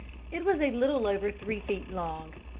It was a little over three feet long.